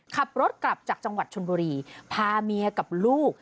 ขับรถกลับจากจังหวัดชนบุรีพาเมียกับลูก